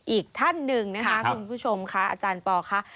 อีกท่านหนึ่งนะคะคุณผู้ชมค่ะอาจารย์ปอลค่ะ